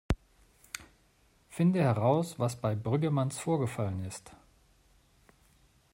Finde heraus, was bei Brüggemanns vorgefallen ist.